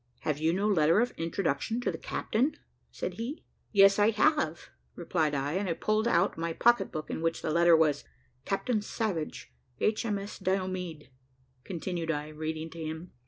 "Have you no letter of introduction to the captain?" said he. "Yes, I have," replied I; and I pulled out my pocketbook in which the letter was. "Captain Savage, H.M.S. Diomede," continued I, reading to him.